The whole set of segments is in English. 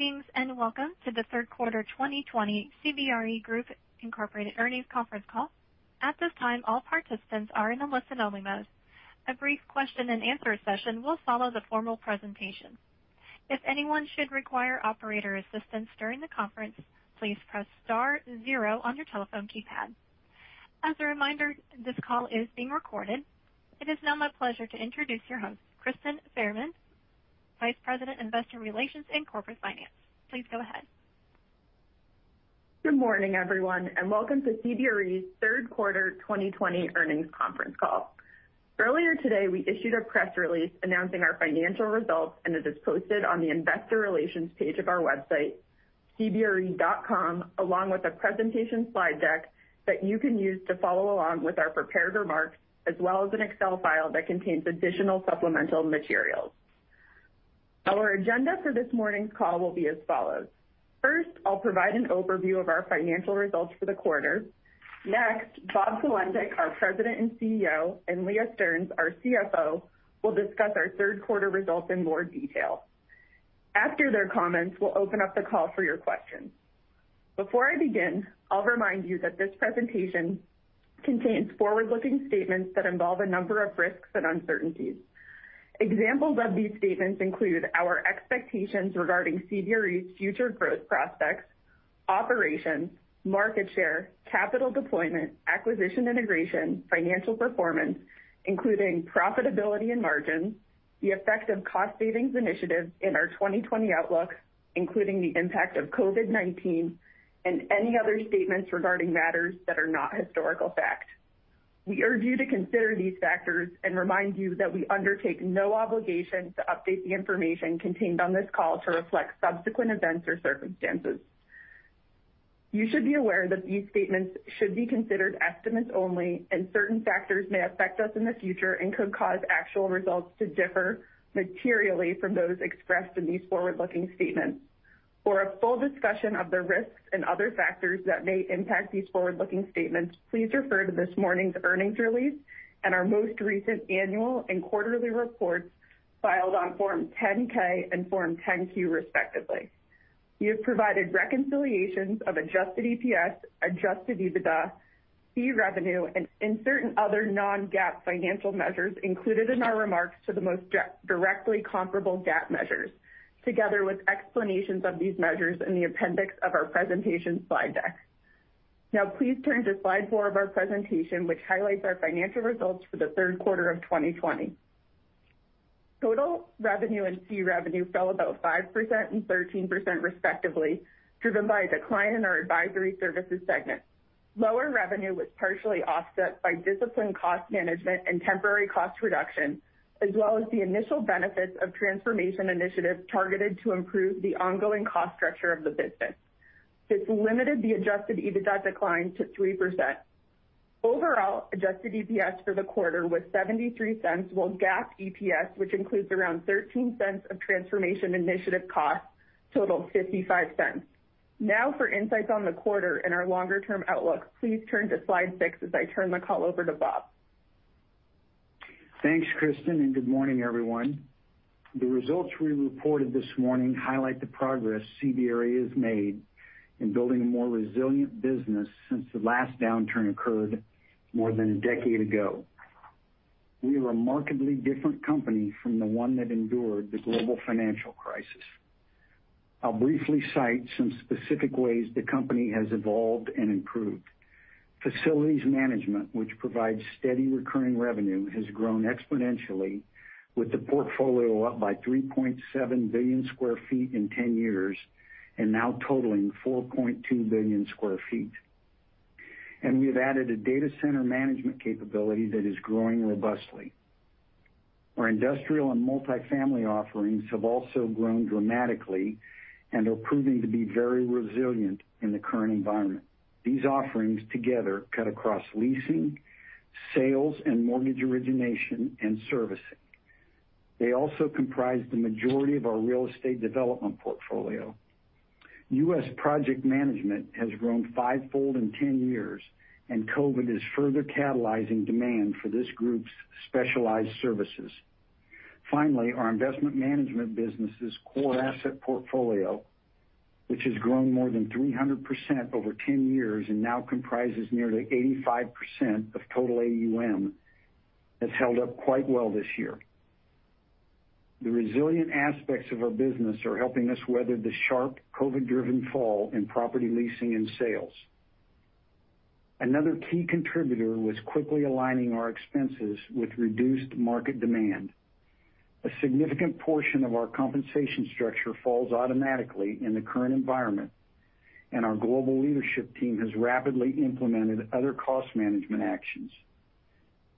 Greetings, and welcome to the third quarter 2020 CBRE Group Incorporated earnings conference call. At this time all participant are in listen only mode, a brief question and answer session will follow after the formal presentation. If anyone should require operators assistance during the conference, please pres star zero on your telephone keypad, as a reminder this call is being recorded. It is now my pleasure to introduce your host, Kristyn Farahmand, Vice President, Investor Relations and Strategic Finance. Please go ahead. Good morning, everyone, and welcome to CBRE's third quarter 2020 earnings conference call. Earlier today, we issued a press release announcing our financial results, and it is posted on the investor relations page of our website, cbre.com, along with a presentation slide deck that you can use to follow along with our prepared remarks, as well as an Excel file that contains additional supplemental materials. Our agenda for this morning's call will be as follows. First, I'll provide an overview of our financial results for the quarter. Next, Bob Sulentic, our President and Chief Executive Officer, and Leah Stearns, our Chief Financial Officer, will discuss our third quarter results in more detail. After their comments, we'll open up the call for your questions. Before I begin, I'll remind you that this presentation contains forward-looking statements that involve a number of risks and uncertainties. Examples of these statements include our expectations regarding CBRE's future growth prospects, operations, market share, capital deployment, acquisition integration, financial performance, including profitability and margins, the effect of cost savings initiatives in our 2020 outlook, including the impact of COVID-19, and any other statements regarding matters that are not historical fact. We urge you to consider these factors and remind you that we undertake no obligation to update the information contained on this call to reflect subsequent events or circumstances. You should be aware that these statements should be considered estimates only, and certain factors may affect us in the future and could cause actual results to differ materially from those expressed in these forward-looking statements. For a full discussion of the risks and other factors that may impact these forward-looking statements, please refer to this morning's earnings release and our most recent annual and quarterly reports filed on Form 10-K and Form 10-Q, respectively. We have provided reconciliations of adjusted EPS, adjusted EBITDA, fee revenue, and certain other non-GAAP financial measures included in our remarks to the most directly comparable GAAP measures, together with explanations of these measures in the appendix of our presentation slide deck. Now please turn to slide four of our presentation, which highlights our financial results for the third quarter of 2020. Total revenue and fee revenue fell about 5% and 13% respectively, driven by a decline in our advisory services segment. Lower revenue was partially offset by disciplined cost management and temporary cost reduction, as well as the initial benefits of transformation initiatives targeted to improve the ongoing cost structure of the business. This limited the adjusted EBITDA decline to 3%. Overall, adjusted EPS for the quarter was $0.73, while GAAP EPS, which includes around $0.13 of transformation initiative costs, totaled $0.55. For insights on the quarter and our longer-term outlook, please turn to slide six as I turn the call over to Bob. Thanks, Kristyn, and good morning, everyone. The results we reported this morning highlight the progress CBRE has made in building a more resilient business since the last downturn occurred more than a decade ago. We are a remarkably different company from the one that endured the global financial crisis. I'll briefly cite some specific ways the company has evolved and improved. Facilities management, which provides steady recurring revenue, has grown exponentially with the portfolio up by 3.7 billion sq ft in 10 years and now totaling 4.2 billion sq ft. We've added a data center management capability that is growing robustly. Our industrial and multifamily offerings have also grown dramatically and are proving to be very resilient in the current environment. These offerings together cut across leasing, sales, and mortgage origination and servicing. They also comprise the majority of our real estate development portfolio. U.S. project management has grown fivefold in 10 years, and COVID is further catalyzing demand for this group's specialized services. Finally, our investment management business' core asset portfolio, which has grown more than 300% over 10 years and now comprises nearly 85% of total AUM, has held up quite well this year. The resilient aspects of our business are helping us weather the sharp COVID driven fall in property leasing and sales. Another key contributor was quickly aligning our expenses with reduced market demand. A significant portion of our compensation structure falls automatically in the current environment, and our global leadership team has rapidly implemented other cost management actions.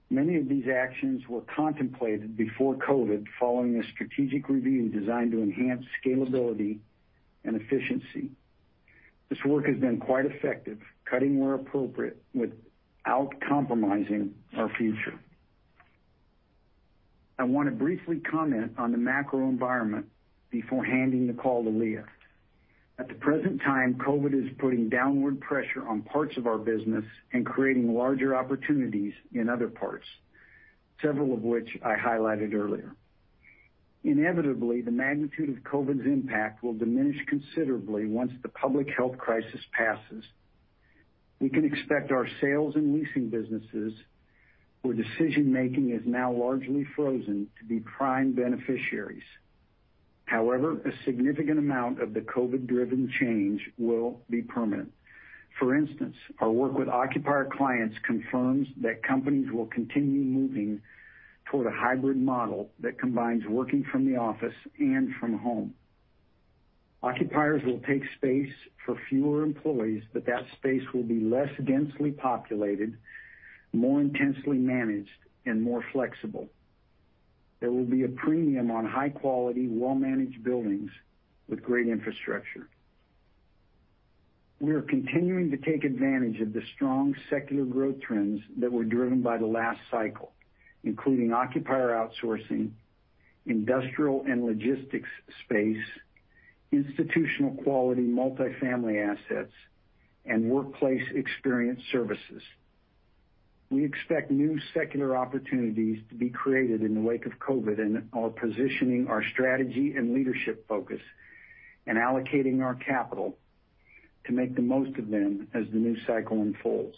Many of these actions were contemplated before COVID following a strategic review designed to enhance scalability and efficiency. This work has been quite effective, cutting where appropriate without compromising our future. I want to briefly comment on the macro environment before handing the call to Leah. At the present time, COVID is putting downward pressure on parts of our business and creating larger opportunities in other parts, several of which I highlighted earlier. Inevitably, the magnitude of COVID's impact will diminish considerably once the public health crisis passes. We can expect our sales and leasing businesses, where decision-making is now largely frozen, to be prime beneficiaries. However, a significant amount of the COVID-driven change will be permanent. For instance, our work with occupier clients confirms that companies will continue moving toward a hybrid model that combines working from the office and from home. Occupiers will take space for fewer employees, but that space will be less densely populated, more intensely managed, and more flexible. There will be a premium on high-quality, well-managed buildings with great infrastructure. We are continuing to take advantage of the strong secular growth trends that were driven by the last cycle, including occupier outsourcing, industrial and logistics space, institutional quality multifamily assets, and workplace experience services. We expect new secular opportunities to be created in the wake of COVID, and are positioning our strategy and leadership focus and allocating our capital to make the most of them as the new cycle unfolds.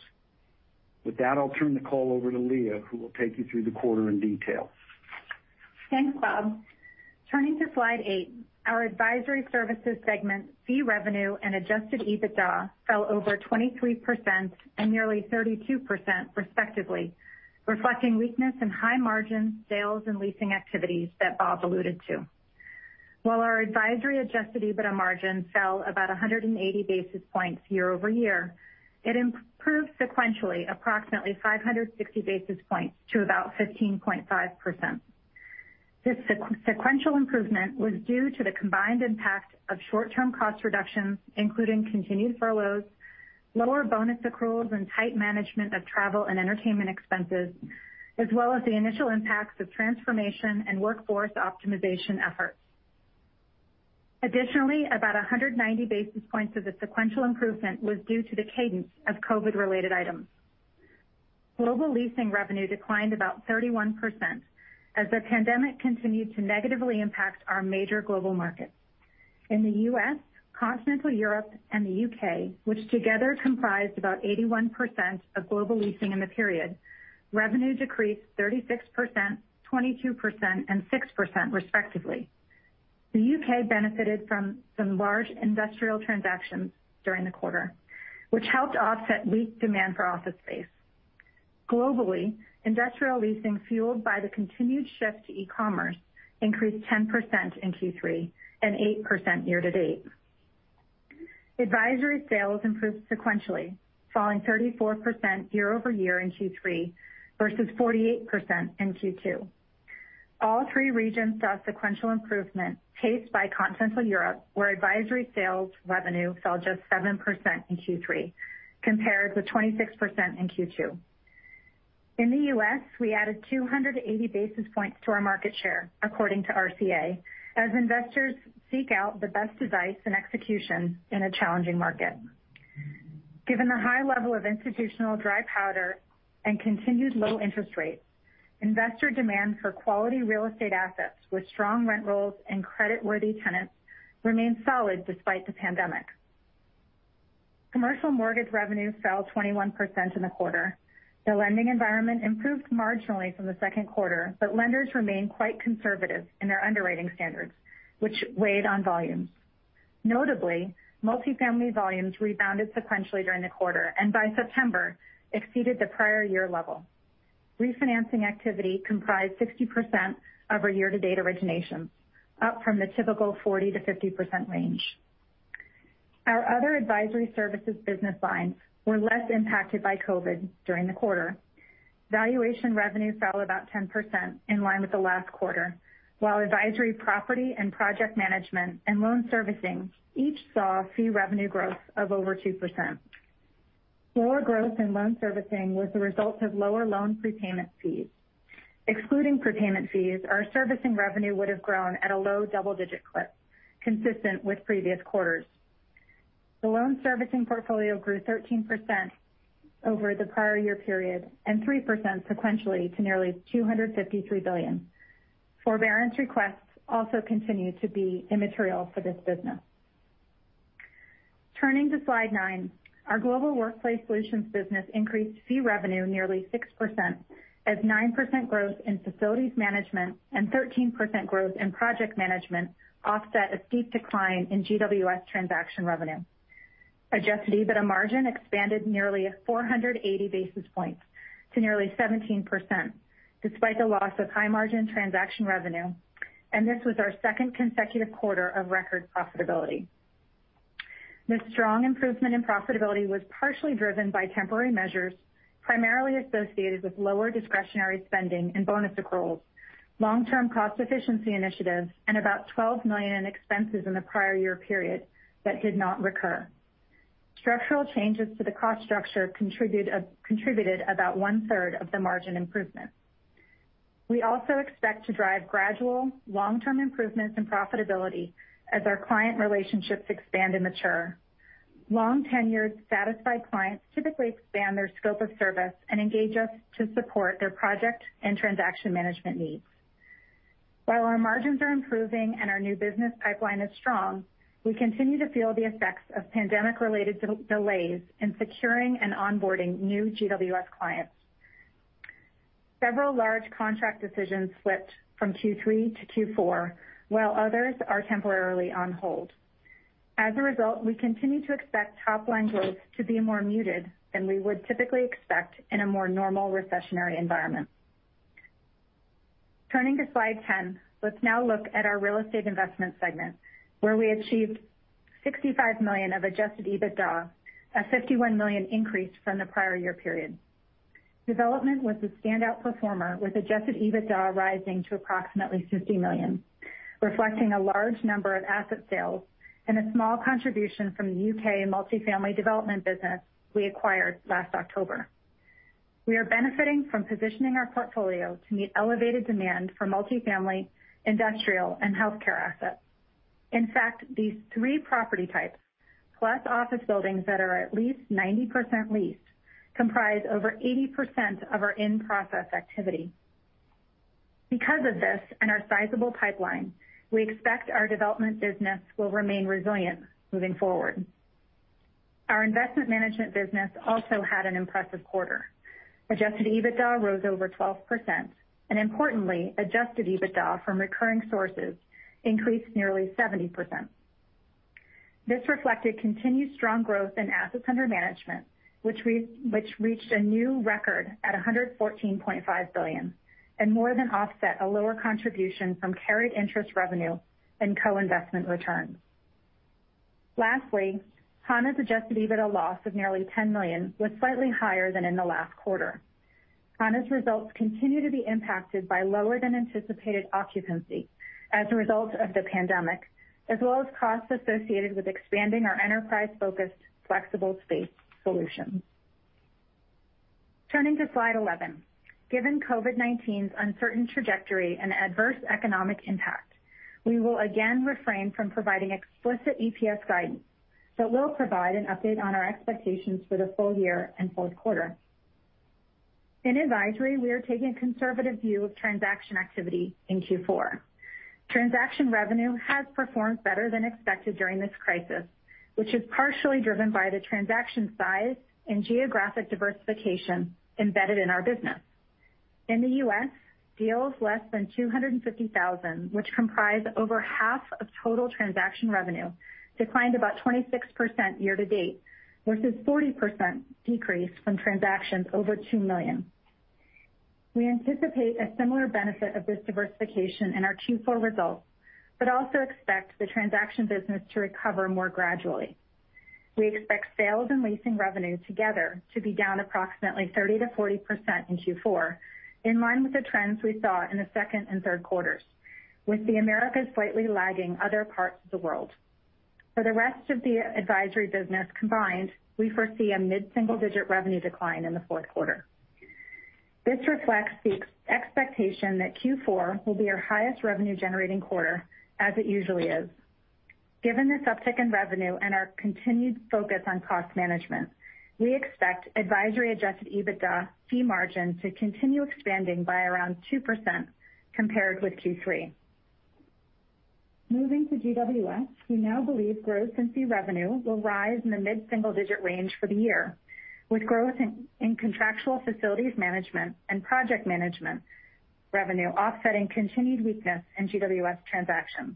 With that, I'll turn the call over to Leah, who will take you through the quarter in detail. Thanks, Bob. Turning to slide eight, our advisory services segment fee revenue and adjusted EBITDA fell over 23% and nearly 32%, respectively, reflecting weakness in high margin sales and leasing activities that Bob alluded to. While our advisory adjusted EBITDA margin fell about 180 basis points year-over-year, it improved sequentially approximately 560 basis points to about 15.5%. This sequential improvement was due to the combined impact of short-term cost reductions, including continued furloughs, lower bonus accruals, and tight management of travel and entertainment expenses, as well as the initial impacts of transformation and workforce optimization efforts. Additionally, about 190 basis points of the sequential improvement was due to the cadence of COVID-related items. Global leasing revenue declined about 31% as the pandemic continued to negatively impact our major global markets. In the U.S., continental Europe, and the U.K., which together comprised about 81% of global leasing in the period, revenue decreased 36%, 22%, and 6%, respectively. The U.K. benefited from some large industrial transactions during the quarter, which helped offset weak demand for office space. Globally, industrial leasing fueled by the continued shift to e-commerce increased 10% in Q3 and 8% year-to-date. Advisory sales improved sequentially, falling 34% year-over-year in Q3 versus 48% in Q2. All three regions saw sequential improvement, paced by continental Europe, where advisory sales revenue fell just 7% in Q3 compared with 26% in Q2. In the U.S., we added 280 basis points to our market share according to RCA, as investors seek out the best advice and execution in a challenging market. Given the high level of institutional dry powder and continued low interest rates, investor demand for quality real estate assets with strong rent rolls and creditworthy tenants remained solid despite the pandemic. Commercial mortgage revenue fell 21% in the quarter. The lending environment improved marginally from the second quarter, but lenders remained quite conservative in their underwriting standards, which weighed on volumes. Notably, multifamily volumes rebounded sequentially during the quarter, and by September exceeded the prior year level. Refinancing activity comprised 60% of our year to date originations, up from the typical 40%-50% range. Our other advisory services business lines were less impacted by COVID during the quarter. Valuation revenues fell about 10%, in line with the last quarter, while advisory property and project management and loan servicing each saw fee revenue growth of over 2%. Slower growth in loan servicing was the result of lower loan prepayment fees. Excluding prepayment fees, our servicing revenue would have grown at a low double-digit clip consistent with previous quarters. The loan servicing portfolio grew 13% over the prior year period and 3% sequentially to nearly $253 billion. Forbearance requests also continue to be immaterial for this business. Turning to slide nine. Our Global Workplace Solutions business increased fee revenue nearly 6% as 9% growth in facilities management and 13% growth in project management offset a steep decline in GWS transaction revenue. adjusted EBITDA margin expanded nearly 480 basis points to nearly 17%, despite the loss of high margin transaction revenue, and this was our second consecutive quarter of record profitability. This strong improvement in profitability was partially driven by temporary measures, primarily associated with lower discretionary spending and bonus accruals, long-term cost efficiency initiatives, and about $12 million in expenses in the prior year period that did not recur. Structural changes to the cost structure contributed about one-third of the margin improvement. We also expect to drive gradual long-term improvements in profitability as our client relationships expand and mature. Long-tenured satisfied clients typically expand their scope of service and engage us to support their project and transaction management needs. While our margins are improving and our new business pipeline is strong, we continue to feel the effects of pandemic-related delays in securing and onboarding new GWS clients. Several large contract decisions slipped from Q3 to Q4, while others are temporarily on hold. As a result, we continue to expect top-line growth to be more muted than we would typically expect in a more normal recessionary environment. Turning to slide 10, let's now look at our real estate investment segment, where we achieved $65 million of adjusted EBITDA, a $51 million increase from the prior year period. Development was the standout performer, with adjusted EBITDA rising to approximately $50 million, reflecting a large number of asset sales and a small contribution from the U.K. multifamily development business we acquired last October. We are benefiting from positioning our portfolio to meet elevated demand for multifamily, industrial, and healthcare assets. In fact, these three property types, plus office buildings that are at least 90% leased, comprise over 80% of our in-process activity. Because of this and our sizable pipeline, we expect our development business will remain resilient moving forward. Our investment management business also had an impressive quarter. Adjusted EBITDA rose over 12%, and importantly, adjusted EBITDA from recurring sources increased nearly 70%. This reflected continued strong growth in assets under management, which reached a new record at $114.5 billion and more than offset a lower contribution from carried interest revenue and co-investment returns. Lastly, Hana's adjusted EBITDA loss of nearly $10 million was slightly higher than in the last quarter. Hana's results continue to be impacted by lower than anticipated occupancy as a result of the pandemic, as well as costs associated with expanding our enterprise-focused flexible space solutions. Turning to slide 11. Given COVID-19's uncertain trajectory and adverse economic impact, we will again refrain from providing explicit EPS guidance, but will provide an update on our expectations for the full year and fourth quarter. In advisory, we are taking a conservative view of transaction activity in Q4. Transaction revenue has performed better than expected during this crisis, which is partially driven by the transaction size and geographic diversification embedded in our business. In the U.S., deals less than $250,000, which comprise over half of total transaction revenue, declined about 26% year to date versus 40% decrease from transactions over $2 million. We anticipate a similar benefit of this diversification in our Q4 results, also expect the transaction business to recover more gradually. We expect sales and leasing revenue together to be down approximately 30%-40% in Q4, in line with the trends we saw in the second and third quarters, with the Americas slightly lagging other parts of the world. For the rest of the advisory business combined, we foresee a mid-single-digit revenue decline in the fourth quarter. This reflects the expectation that Q4 will be our highest revenue-generating quarter, as it usually is. Given this uptick in revenue and our continued focus on cost management, we expect advisory-adjusted EBITDA fee margin to continue expanding by around 2% compared with Q3. Moving to GWS, we now believe growth in fee revenue will rise in the mid-single digit range for the year, with growth in contractual facilities management and project management revenue offsetting continued weakness in GWS transactions.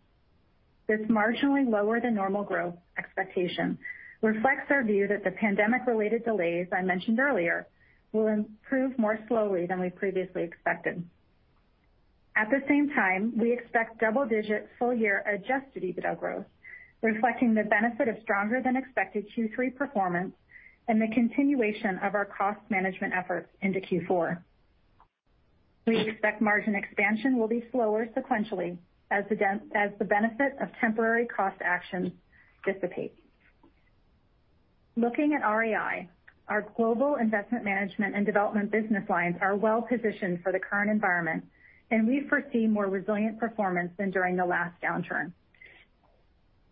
This marginally lower than normal growth expectation reflects our view that the pandemic-related delays I mentioned earlier will improve more slowly than we previously expected. At the same time, we expect double-digit full-year adjusted EBITDA growth, reflecting the benefit of stronger than expected Q3 performance and the continuation of our cost management efforts into Q4. We expect margin expansion will be slower sequentially as the benefit of temporary cost actions dissipate. Looking at REI, our global investment management and development business lines are well positioned for the current environment, and we foresee more resilient performance than during the last downturn.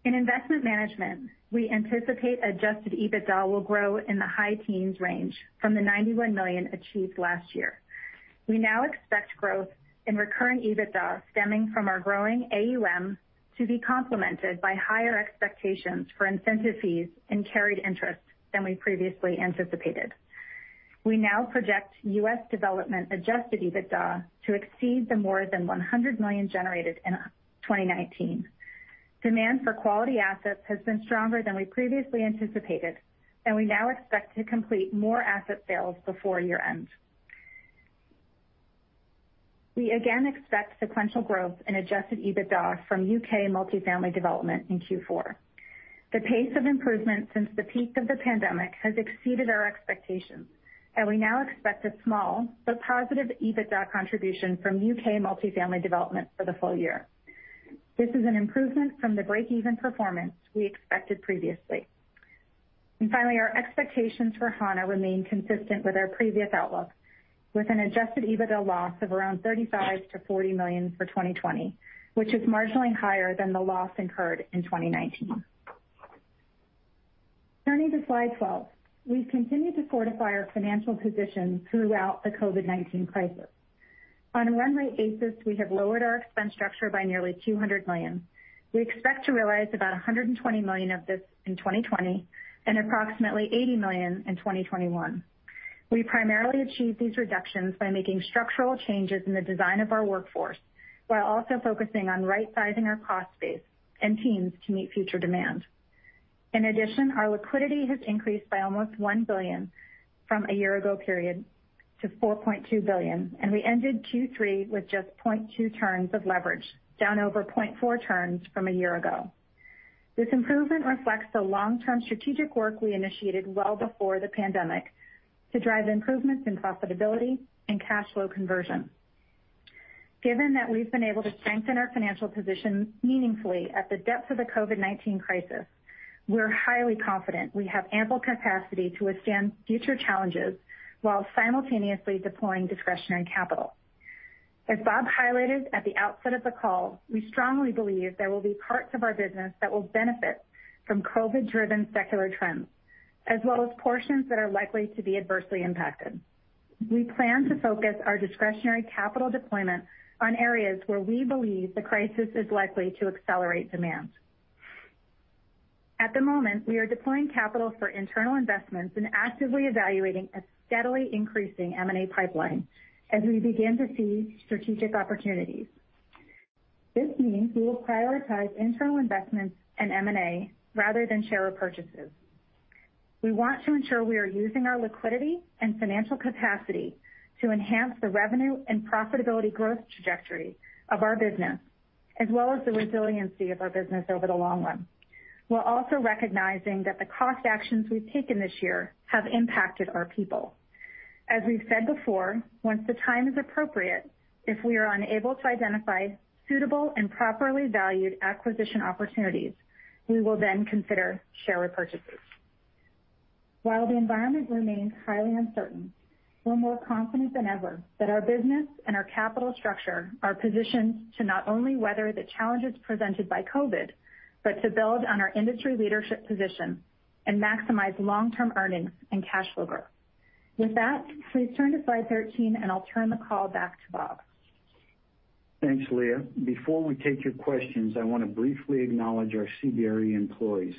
In investment management, we anticipate adjusted EBITDA will grow in the high teens range from the $91 million achieved last year. We now expect growth in recurring EBITDA stemming from our growing AUM to be complemented by higher expectations for incentive fees and carried interest than we previously anticipated. We now project U.S. development adjusted EBITDA to exceed the more than $100 million generated in 2019. Demand for quality assets has been stronger than we previously anticipated, and we now expect to complete more asset sales before year-end. We again expect sequential growth in adjusted EBITDA from U.K. multifamily development in Q4. The pace of improvement since the peak of the pandemic has exceeded our expectations, and we now expect a small but positive EBITDA contribution from U.K. multifamily development for the full year. This is an improvement from the breakeven performance we expected previously. Finally, our expectations for Hana remain consistent with our previous outlook, with an adjusted EBITDA loss of around $35 million-$40 million for 2020, which is marginally higher than the loss incurred in 2019. Turning to slide 12. We've continued to fortify our financial position throughout the COVID-19 crisis. On a run rate basis, we have lowered our expense structure by nearly $200 million. We expect to realize about $120 million of this in 2020 and approximately $80 million in 2021. We primarily achieve these reductions by making structural changes in the design of our workforce, while also focusing on right-sizing our cost base and teams to meet future demand. In addition, our liquidity has increased by almost $1 billion from a year ago period to $4.2 billion, and we ended Q3 with just 0.2 turns of leverage, down over 0.4 turns from a year ago. This improvement reflects the long-term strategic work we initiated well before the pandemic to drive improvements in profitability and cash flow conversion. Given that we've been able to strengthen our financial position meaningfully at the depths of the COVID-19 crisis, we're highly confident we have ample capacity to withstand future challenges while simultaneously deploying discretionary capital. As Bob highlighted at the outset of the call, we strongly believe there will be parts of our business that will benefit from COVID-driven secular trends, as well as portions that are likely to be adversely impacted. We plan to focus our discretionary capital deployment on areas where we believe the crisis is likely to accelerate demand. At the moment, we are deploying capital for internal investments and actively evaluating a steadily increasing M&A pipeline as we begin to see strategic opportunities. This means we will prioritize internal investments and M&A rather than share repurchases. We want to ensure we are using our liquidity and financial capacity to enhance the revenue and profitability growth trajectory of our business, as well as the resiliency of our business over the long run. We're also recognizing that the cost actions we've taken this year have impacted our people. As we've said before, once the time is appropriate, if we are unable to identify suitable and properly valued acquisition opportunities, we will then consider share repurchases. While the environment remains highly uncertain, we're more confident than ever that our business and our capital structure are positioned to not only weather the challenges presented by COVID, but to build on our industry leadership position and maximize long-term earnings and cash flow growth. With that, please turn to slide 13, and I'll turn the call back to Bob. Thanks, Leah. Before we take your questions, I want to briefly acknowledge our CBRE employees.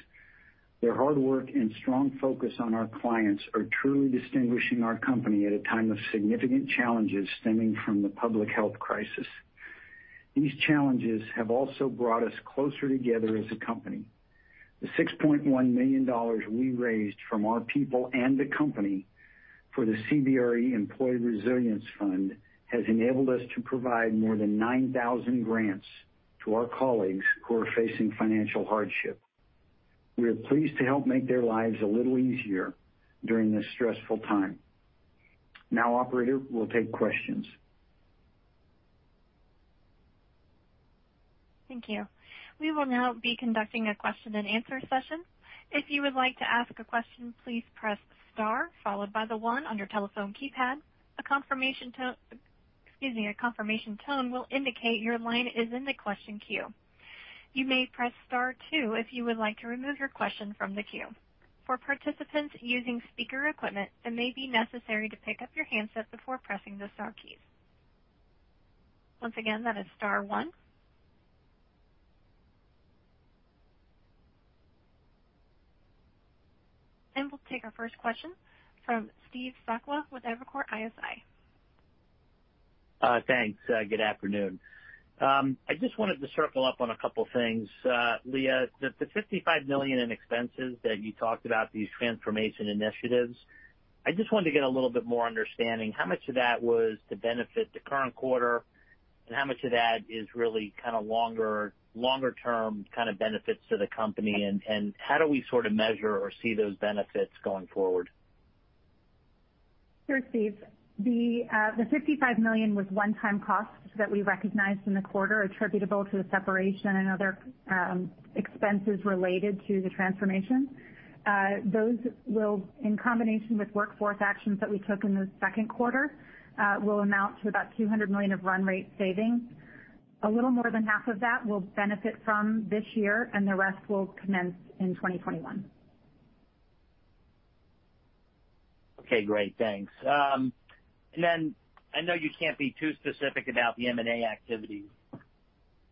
Their hard work and strong focus on our clients are truly distinguishing our company at a time of significant challenges stemming from the public health crisis. These challenges have also brought us closer together as a company. The $6.1 million we raised from our people and the company for the CBRE Employee Resilience Fund has enabled us to provide more than 9,000 grants to our colleagues who are facing financial hardship. We are pleased to help make their lives a little easier during this stressful time. Operator, we'll take questions. Thank you. We will now be conducting a question and answer session. If you would like to ask a question please press star followed by the one on your telephone keypad. A confirmation tone will indicate that your line is in the question queue, you may press star two if you would like to remove your question from the queue, for participant using speaker equipment, it maybe necessary to pick up your handset before pressing the telephone. Once again it is star one. We'll take our first question from Steve Sakwa with Evercore ISI. Thanks. Good afternoon. I just wanted to circle up on a couple things. Leah, the $55 million in expenses that you talked about, these transformation initiatives, I just wanted to get a little bit more understanding how much of that was to benefit the current quarter, and how much of that is really longer term benefits to the company, and how do we measure or see those benefits going forward? Sure, Steve. The $55 million was one-time costs that we recognized in the quarter attributable to the separation and other expenses related to the transformation. Those, in combination with workforce actions that we took in the second quarter, will amount to about $200 million of run rate savings. A little more than half of that we'll benefit from this year, and the rest will commence in 2021. Okay, great. Thanks. I know you can't be too specific about the M&A activity,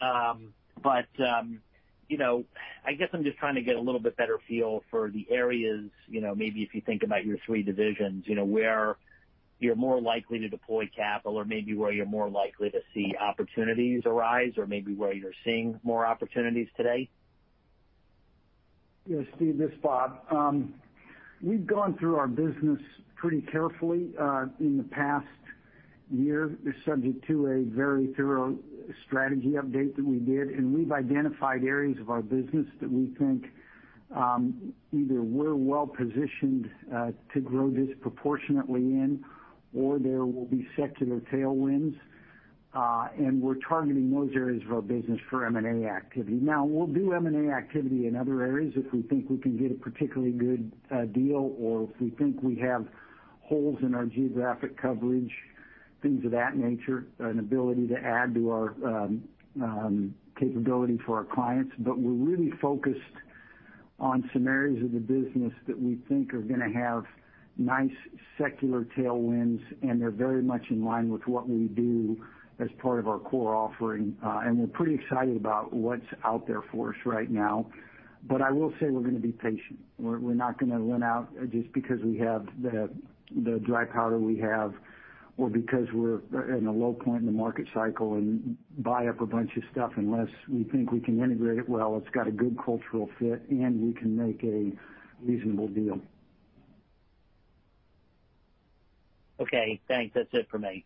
but I guess I'm just trying to get a little bit better feel for the areas, maybe if you think about your three divisions, where you're more likely to deploy capital or maybe where you're more likely to see opportunities arise or maybe where you're seeing more opportunities today. Yeah, Steve, this is Bob. We've gone through our business pretty carefully in the past year, subject to a very thorough strategy update that we did, and we've identified areas of our business that we think either we're well-positioned to grow disproportionately in, or there will be secular tailwinds. We're targeting those areas of our business for M&A activity. We'll do M&A activity in other areas if we think we can get a particularly good deal or if we think we have holes in our geographic coverage, things of that nature, an ability to add to our capability for our clients. We're really focused on some areas of the business that we think are going to have nice secular tailwinds, and they're very much in line with what we do as part of our core offering. We're pretty excited about what's out there for us right now. I will say we're going to be patient. We're not going to run out just because we have the dry powder we have or because we're in a low point in the market cycle and buy up a bunch of stuff unless we think we can integrate it well, it's got a good cultural fit, and we can make a reasonable deal. Okay. Thanks. That's it for me.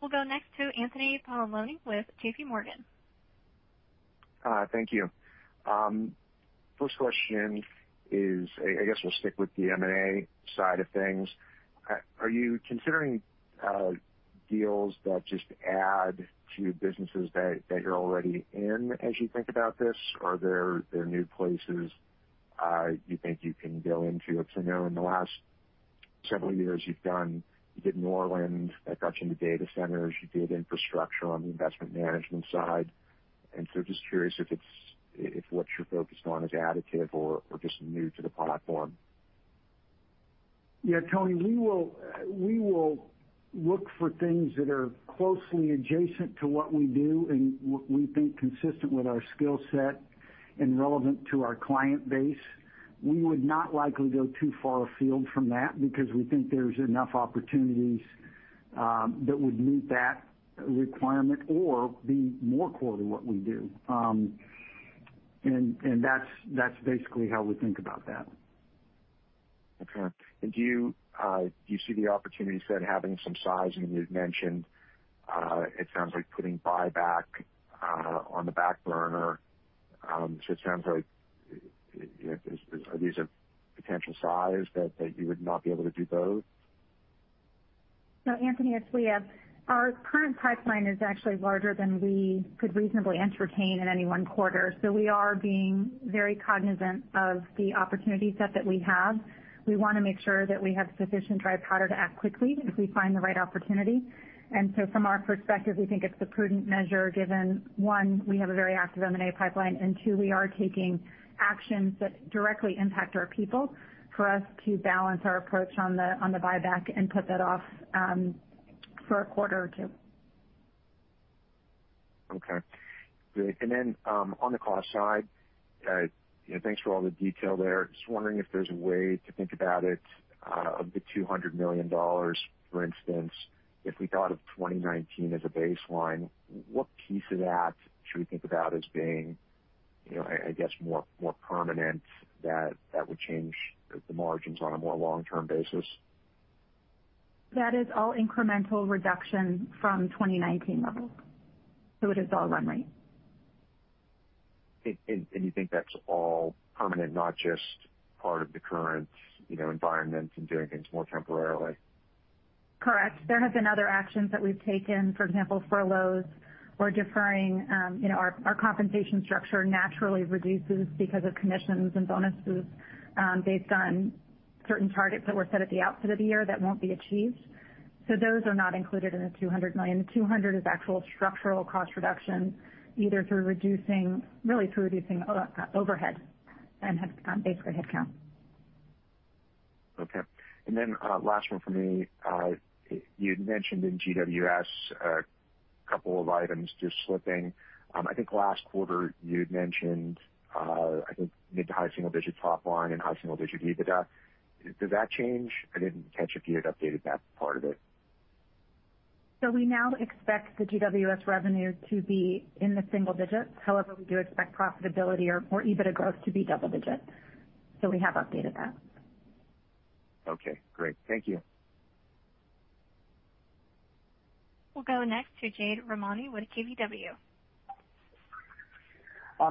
We'll go next to Anthony Paolone with JPMorgan. Thank you. First question is, I guess we'll stick with the M&A side of things. Are you considering deals that just add to businesses that you're already in as you think about this? Are there new places you think you can go into? Because I know in the last several years you did Norland, that got you into data centers. You did infrastructure on the Investment Management side. Just curious if what you're focused on is additive or just new to the platform. Yeah, Tony, we will look for things that are closely adjacent to what we do and what we think consistent with our skill set and relevant to our client base. We would not likely go too far afield from that because we think there's enough opportunities that would meet that requirement or be more core to what we do. That's basically how we think about that. Okay. Do you see the opportunity set having some size? I mean, you'd mentioned it sounds like putting buyback on the back burner. It sounds like, are these of potential size that you would not be able to do both? No, Anthony, it's Leah. Our current pipeline is actually larger than we could reasonably entertain in any one quarter. We are being very cognizant of the opportunity set that we have. We want to make sure that we have sufficient dry powder to act quickly if we find the right opportunity. From our perspective, we think it's a prudent measure given, one, we have a very active M&A pipeline, and two, we are taking actions that directly impact our people for us to balance our approach on the buyback and put that off for a quarter or two. Okay, great. On the cost side, thanks for all the detail there. Just wondering if there's a way to think about it. Of the $200 million, for instance, if we thought of 2019 as a baseline, what piece of that should we think about as being more permanent that would change the margins on a more long-term basis? That is all incremental reduction from 2019 levels, so it is all run rate. You think that's all permanent, not just part of the current environment and doing things more temporarily? Correct. There have been other actions that we've taken. For example, furloughs or deferring our compensation structure naturally reduces because of commissions and bonuses based on certain targets that were set at the outset of the year that won't be achieved. Those are not included in the $200 million. The $200 is actual structural cost reduction either through reducing overhead and based on headcount. Okay. Last one from me. You'd mentioned in GWS a couple of items just slipping. Last quarter you'd mentioned mid to high single-digit top line and high single-digit EBITDA. Does that change? I didn't catch if you had updated that part of it. We now expect the GWS revenue to be in the single digits. However, we do expect profitability or EBITDA growth to be double digits. We have updated that. Okay, great. Thank you. We'll go next to Jade Rahmani with KBW.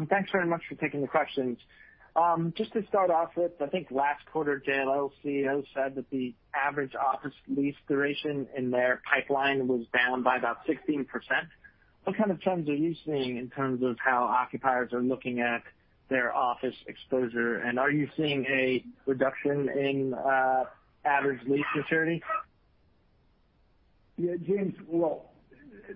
Thanks very much for taking the questions. Just to start off with, I think last quarter, JLL's CEO said that the average office lease duration in their pipeline was down by about 16%. What kind of trends are you seeing in terms of how occupiers are looking at their office exposure, and are you seeing a reduction in average lease maturity? Yeah, Jade. Well,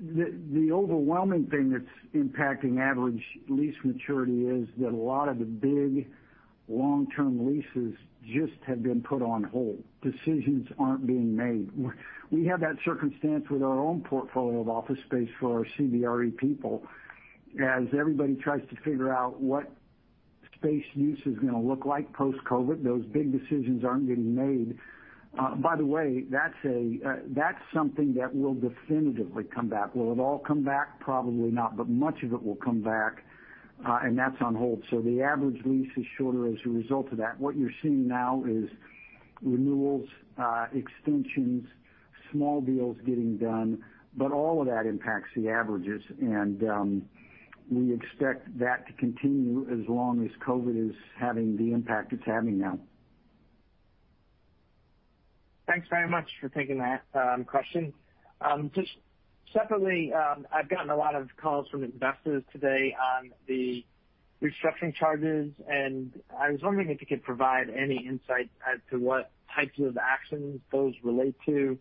the overwhelming thing that's impacting average lease maturity is that a lot of the big long-term leases just have been put on hold. Decisions aren't being made. We have that circumstance with our own portfolio of office space for our CBRE people. As everybody tries to figure out what space use is going to look like post-COVID, those big decisions aren't getting made. By the way, that's something that will definitively come back. Will it all come back? Probably not, but much of it will come back. That's on hold. The average lease is shorter as a result of that. What you're seeing now is renewals, extensions, small deals getting done, but all of that impacts the averages. We expect that to continue as long as COVID is having the impact it's having now. Thanks very much for taking that question. Just separately, I've gotten a lot of calls from investors today on the restructuring charges, and I was wondering if you could provide any insight as to what types of actions those relate to.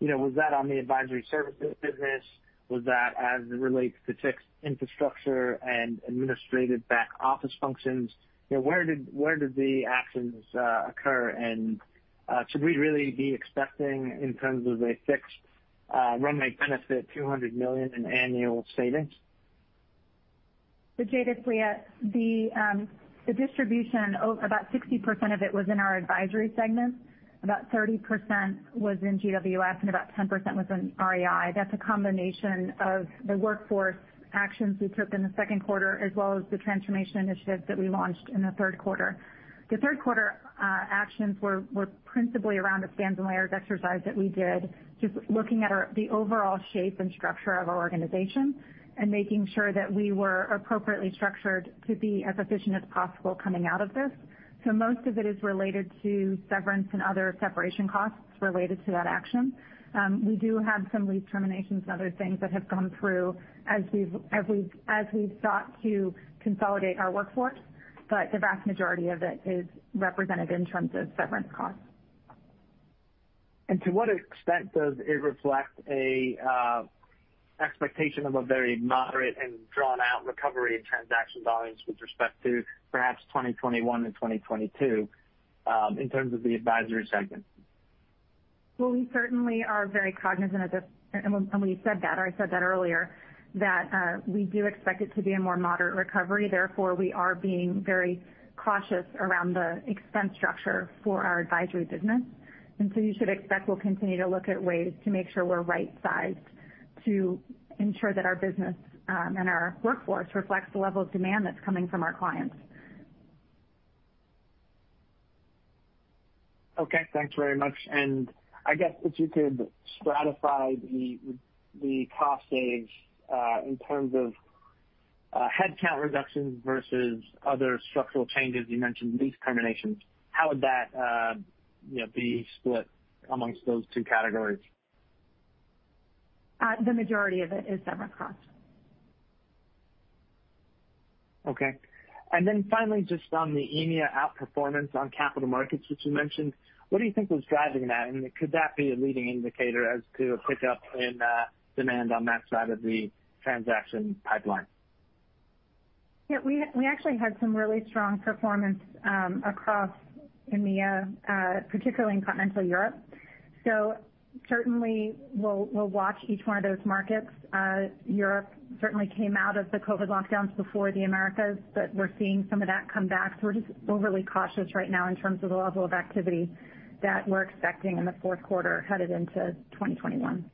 Was that on the advisory services business? Was that as it relates to tech infrastructure and administrative back-office functions? Where did the actions occur, and should we really be expecting, in terms of a fixed run rate benefit, $200 million in annual savings? Jade, the distribution, about 60% of it was in our advisory segment, about 30% was in GWS, and about 10% was in REI. That's a combination of the workforce actions we took in the second quarter, as well as the transformation initiatives that we launched in the third quarter. The third quarter actions were principally around a spans and layers exercise that we did, just looking at the overall shape and structure of our organization, and making sure that we were appropriately structured to be as efficient as possible coming out of this. Most of it is related to severance and other separation costs related to that action. We do have some lease terminations and other things that have gone through as we've sought to consolidate our workforce, but the vast majority of it is represented in terms of severance costs. To what extent does it reflect a expectation of a very moderate and drawn-out recovery in transaction volumes with respect to perhaps 2021 and 2022 in terms of the advisory segment? Well, we certainly are very cognizant of this, and we said that, or I said that earlier, that we do expect it to be a more moderate recovery. Therefore, we are being very cautious around the expense structure for our advisory business. You should expect we'll continue to look at ways to make sure we're right-sized to ensure that our business and our workforce reflects the level of demand that's coming from our clients. Okay. Thanks very much. I guess if you could stratify the cost saves in terms of headcount reductions versus other structural changes. You mentioned lease terminations. How would that be split amongst those two categories? The majority of it is severance costs. Okay. Finally, just on the EMEA outperformance on capital markets, which you mentioned, what do you think was driving that? Could that be a leading indicator as to a pickup in demand on that side of the transaction pipeline? Yeah. We actually had some really strong performance across EMEA, particularly in continental Europe. Certainly, we'll watch each one of those markets. Europe certainly came out of the COVID lockdowns before the Americas, but we're seeing some of that come back. We're just overly cautious right now in terms of the level of activity that we're expecting in the fourth quarter headed into 2021.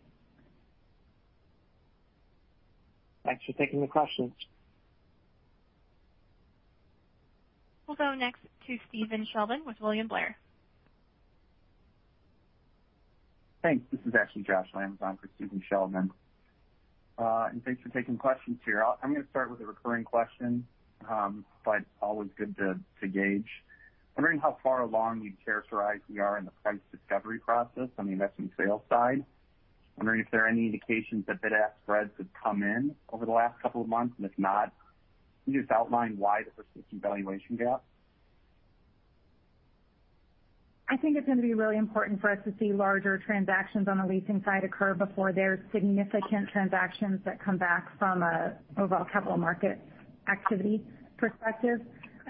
Thanks for taking the question. We'll go next to Stephen Sheldon with William Blair. Thanks. This is actually Josh Lamers for Stephen Sheldon. Thanks for taking questions here. I'm going to start with a recurring question, but always good to gauge. I'm wondering how far along you'd characterize we are in the price discovery process on the investment sales side. I'm wondering if there are any indications that bid-ask spreads have come in over the last couple of months. If not, can you just outline why the persistent valuation gap? I think it's going to be really important for us to see larger transactions on the leasing side occur before there's significant transactions that come back from an overall capital market activity perspective.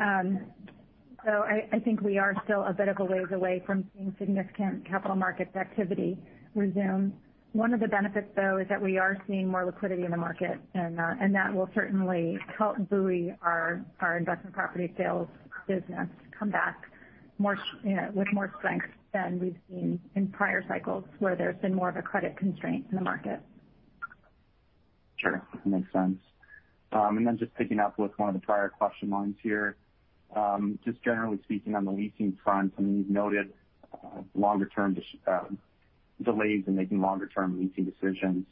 I think we are still a bit of a ways away from seeing significant capital market activity resume. One of the benefits, though, is that we are seeing more liquidity in the market, and that will certainly help buoy our investment property sales business come back with more strength than we've seen in prior cycles where there's been more of a credit constraint in the market. Sure. Makes sense. Then just picking up with one of the prior question lines here, just generally speaking on the leasing front, I mean, you've noted longer-term delays in making longer-term leasing decisions.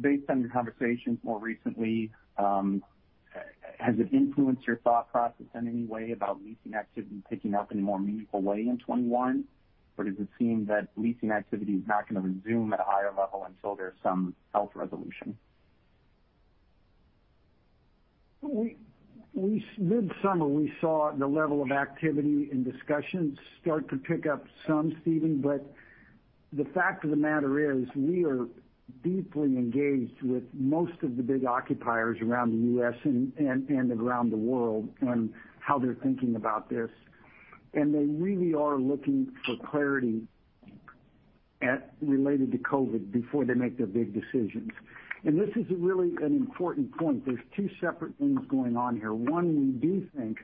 Based on your conversations more recently, has it influenced your thought process in any way about leasing activity picking up in a more meaningful way in 2021? Or does it seem that leasing activity is not going to resume at a higher level until there's some health resolution? Mid-summer, we saw the level of activity and discussions start to pick up some, Stephen. The fact of the matter is, we are deeply engaged with most of the big occupiers around the U.S. and around the world on how they're thinking about this. They really are looking for clarity related to COVID before they make their big decisions. This is really an important point. There's two separate things going on here. One, we do think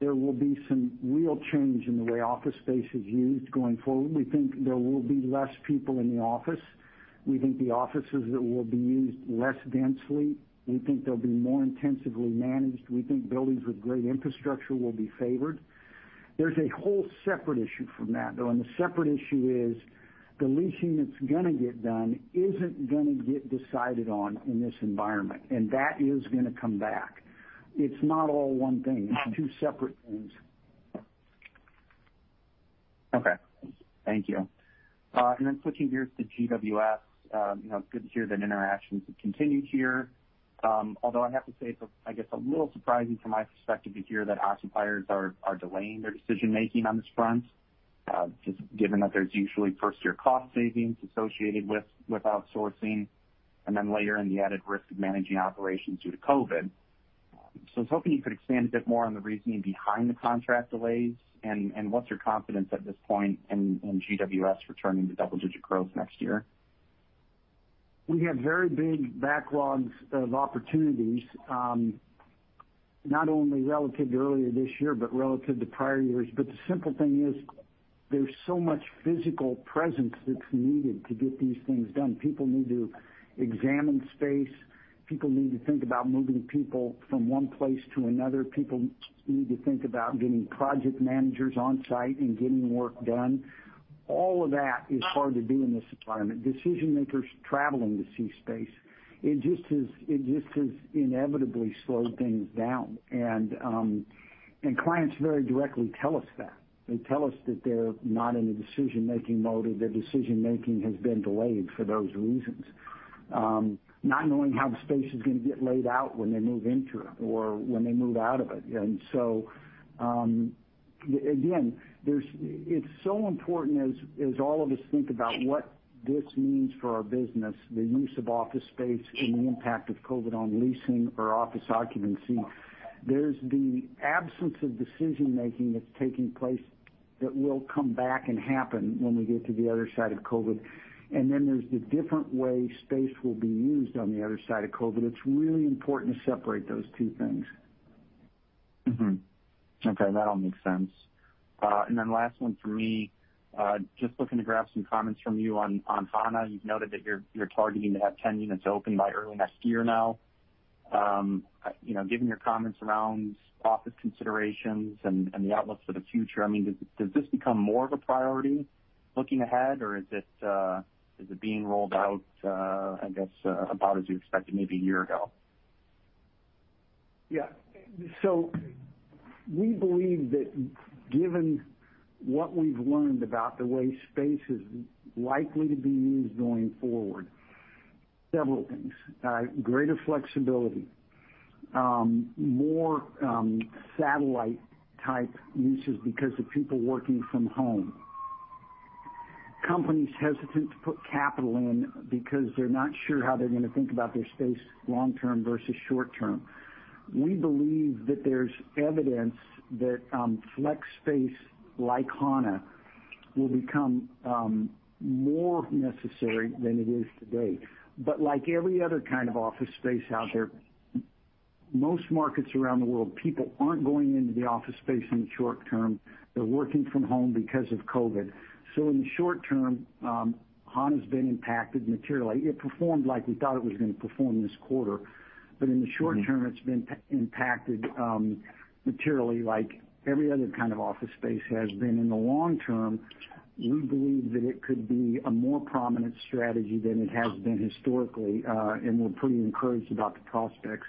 there will be some real change in the way office space is used going forward. We think there will be less people in the office. We think the offices will be used less densely. We think they'll be more intensively managed. We think buildings with great infrastructure will be favored. There's a whole separate issue from that, though, and the separate issue is the leasing that's going to get done isn't going to get decided on in this environment, and that is going to come back. It's not all one thing. It's two separate things. Okay. Thank you. Switching gears to GWS, good to hear that interactions have continued here. Although I have to say it's, I guess, a little surprising from my perspective to hear that occupiers are delaying their decision-making on this front, just given that there's usually first-year cost savings associated with outsourcing, and then later in the added risk of managing operations due to COVID. I was hoping you could expand a bit more on the reasoning behind the contract delays, and what's your confidence at this point in GWS returning to double-digit growth next year? We have very big backlogs of opportunities, not only relative to earlier this year, but relative to prior years. The simple thing is, there's so much physical presence that's needed to get these things done. People need to examine space. People need to think about moving people from one place to another. People need to think about getting project managers on-site and getting work done. All of that is hard to do in this environment. Decision-makers traveling to see space. It just has inevitably slowed things down, and clients very directly tell us that. They tell us that they're not in a decision-making mode, or their decision-making has been delayed for those reasons. Not knowing how the space is going to get laid out when they move into it or when they move out of it. Again, it's so important as all of us think about what this means for our business, the use of office space and the impact of COVID on leasing or office occupancy. There's the absence of decision-making that's taking place that will come back and happen when we get to the other side of COVID. There's the different way space will be used on the other side of COVID. It's really important to separate those two things. Okay. That all makes sense. Last one from me, just looking to grab some comments from you on Hana. You've noted that you're targeting to have 10 units open by early next year now. Given your comments around office considerations and the outlook for the future, does this become more of a priority looking ahead, or is it being rolled out, I guess, about as you expected maybe a year ago? We believe that given what we've learned about the way space is likely to be used going forward, several things, greater flexibility, more satellite-type uses because of people working from home, companies hesitant to put capital in because they're not sure how they're going to think about their space long term versus short term. We believe that there's evidence that flex space like Hana will become more necessary than it is today. Like every other kind of office space out there, most markets around the world, people aren't going into the office space in the short term. They're working from home because of COVID. In the short term, Hana's been impacted materially. It performed like we thought it was going to perform this quarter. In the short term, it's been impacted materially like every other kind of office space has been. In the long term, we believe that it could be a more prominent strategy than it has been historically. We're pretty encouraged about the prospects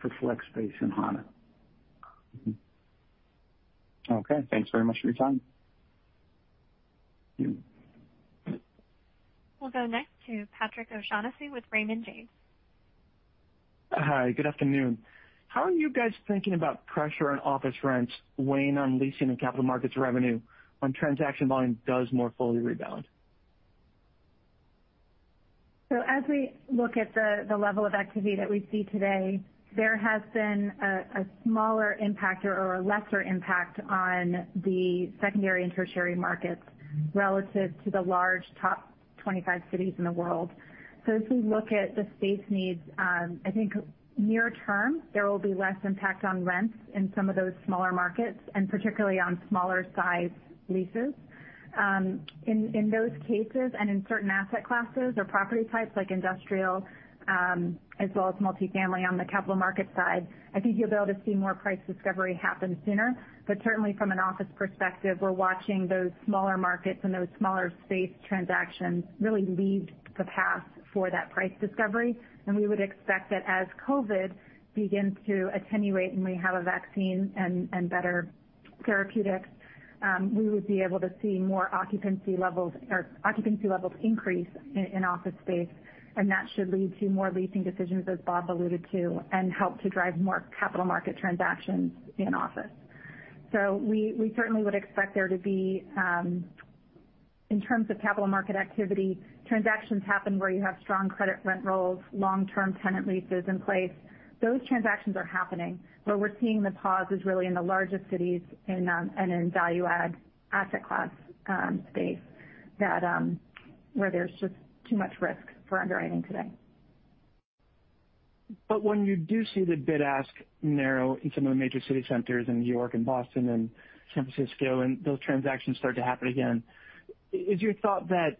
for flex space in Hana. Okay. Thanks very much for your time. Yeah. We'll go next to Patrick O'Shaughnessy with Raymond James. Hi. Good afternoon. How are you guys thinking about pressure on office rents weighing on leasing and capital markets revenue when transaction volume does more fully rebound? As we look at the level of activity that we see today, there has been a smaller impact or a lesser impact on the secondary and tertiary markets relative to the large top 25 cities in the world. As we look at the space needs, I think near term, there will be less impact on rents in some of those smaller markets, and particularly on smaller size leases. In those cases, and in certain asset classes or property types like industrial, as well as multifamily on the capital market side, I think you'll be able to see more price discovery happen sooner. Certainly from an office perspective, we're watching those smaller markets and those smaller space transactions really lead the path for that price discovery. We would expect that as COVID begins to attenuate and we have a vaccine and better therapeutics, we would be able to see more occupancy levels increase in office space, and that should lead to more leasing decisions, as Bob alluded to, and help to drive more capital market transactions in office. We certainly would expect there to be, in terms of capital market activity, transactions happen where you have strong credit rent rolls, long-term tenant leases in place. Those transactions are happening. Where we're seeing the pause is really in the largest cities and in value add asset class space, where there's just too much risk for underwriting today. When you do see the bid-ask narrow in some of the major city centers in New York and Boston and San Francisco, and those transactions start to happen again, is your thought that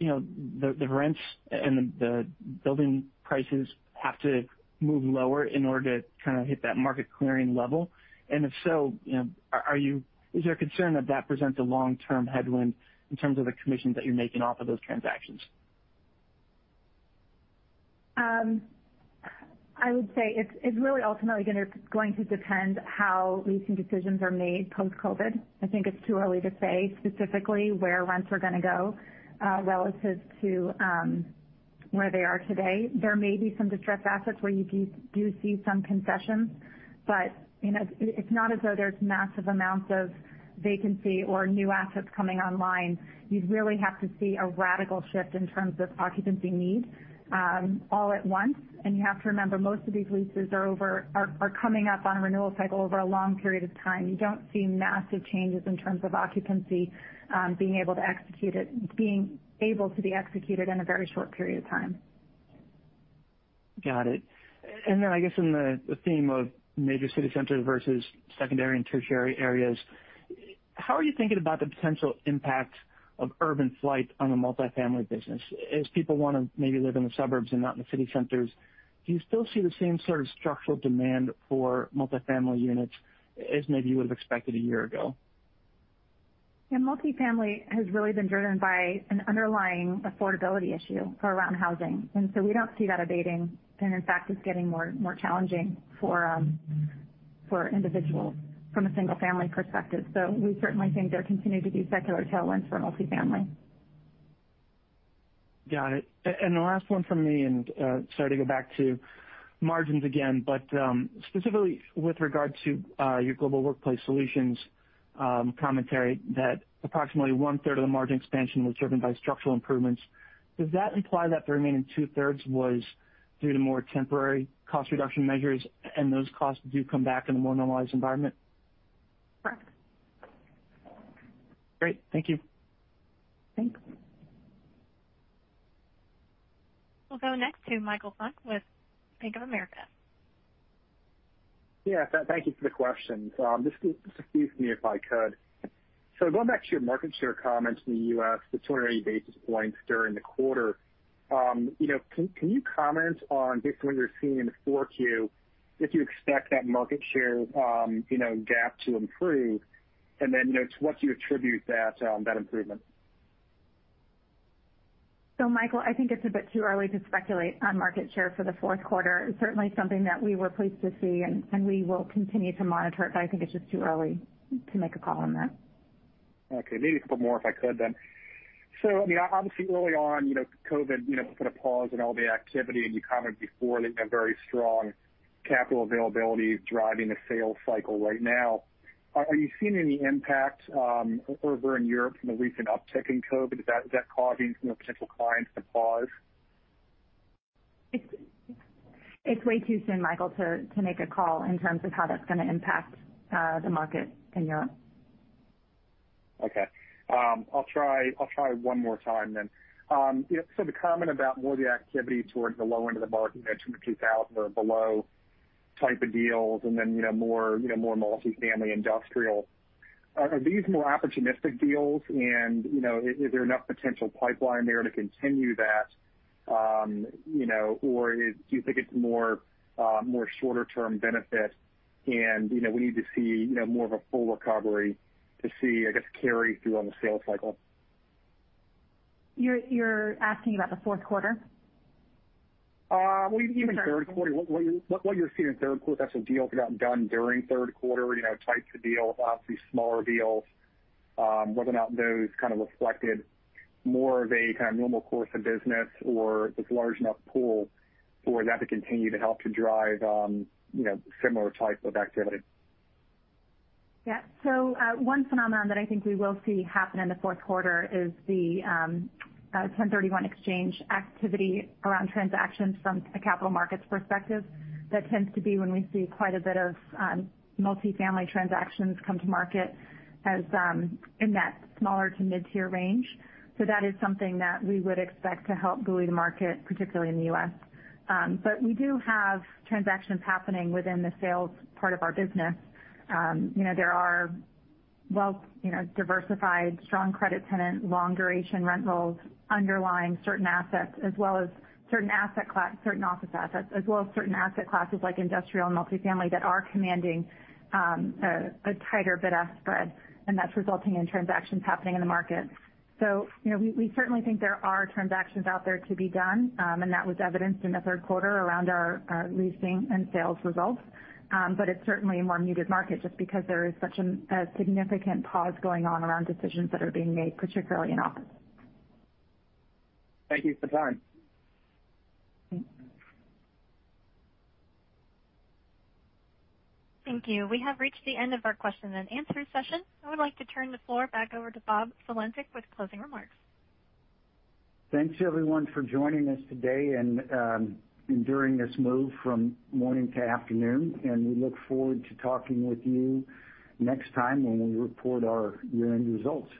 the rents and the building prices have to move lower in order to kind of hit that market clearing level? If so, is there a concern that that presents a long-term headwind in terms of the commissions that you're making off of those transactions? I would say it's really ultimately going to depend how leasing decisions are made post-COVID. I think it's too early to say specifically where rents are going to go relative to where they are today. There may be some distressed assets where you do see some concessions. It's not as though there's massive amounts of vacancy or new assets coming online. You'd really have to see a radical shift in terms of occupancy need all at once. You have to remember, most of these leases are coming up on a renewal cycle over a long period of time. You don't see massive changes in terms of occupancy being able to be executed in a very short period of time. Got it. I guess in the theme of major city centers versus secondary and tertiary areas, how are you thinking about the potential impact of urban flight on the multifamily business? As people want to maybe live in the suburbs and not in the city centers, do you still see the same sort of structural demand for multifamily units as maybe you would've expected a year ago? Yeah. Multifamily has really been driven by an underlying affordability issue for around housing. We don't see that abating, and in fact, it's getting more challenging for individuals from a single-family perspective. We certainly think there continue to be secular tailwinds for multifamily. Got it. The last one from me, sorry to go back to margins again, specifically with regard to your Global Workplace Solutions commentary, that approximately one third of the margin expansion was driven by structural improvements. Does that imply that the remaining two thirds was due to more temporary cost reduction measures and those costs do come back in a more normalized environment? Correct. Great. Thank you. Thanks. We'll go next to Michael Funk with Bank of America. Yeah. Thank you for the question. Just excuse me if I could. Going back to your market share comments in the U.S., the 280 basis points during the quarter. Can you comment on based on what you're seeing in the 4Q, if you expect that market share gap to improve, and then to what you attribute that improvement? Michael, I think it's a bit too early to speculate on market share for the fourth quarter. It's certainly something that we were pleased to see and we will continue to monitor it, but I think it's just too early to make a call on that. Okay. Maybe a couple more if I could then. I mean, obviously early on, COVID put a pause on all the activity, and you commented before that you have very strong capital availability driving the sales cycle right now. Are you seeing any impact over in Europe from the recent uptick in COVID? Is that causing potential clients to pause? It's way too soon, Michael, to make a call in terms of how that's going to impact the market in Europe. Okay. I'll try one more time then. The comment about more of the activity towards the low end of the market, you mentioned the 2,000 or below type of deals, and then more multifamily industrial. Are these more opportunistic deals? Is there enough potential pipeline there to continue that? Do you think it's more shorter term benefit, and we need to see more of a full recovery to see, I guess, carry through on the sales cycle? You're asking about the fourth quarter? Well, even third quarter. What you're seeing in third quarter, perhaps some deals that got done during third quarter, types of deals, obviously smaller deals. Whether or not those kind of reflected more of a kind of normal course of business or there's a large enough pool for that to continue to help to drive similar type of activity. Yeah. One phenomenon that I think we will see happen in the fourth quarter is the 1031 exchange activity around transactions from a capital markets perspective. That tends to be when we see quite a bit of multifamily transactions come to market in that smaller to mid-tier range. That is something that we would expect to help buoy the market, particularly in the U.S. We do have transactions happening within the sales part of our business. There are well-diversified, strong credit tenant, long duration rent rolls underlying certain assets as well as certain office assets, as well as certain asset classes like industrial and multifamily that are commanding a tighter bid-ask spread, and that's resulting in transactions happening in the market. We certainly think there are transactions out there to be done. That was evidenced in the third quarter around our leasing and sales results. It's certainly a more muted market just because there is such a significant pause going on around decisions that are being made, particularly in office. Thank you for the time. Thank you. We have reached the end of our question and answer session. I would like to turn the floor back over to Bob Sulentic with closing remarks. Thanks everyone for joining us today and enduring this move from morning to afternoon. We look forward to talking with you next time when we report our year-end results.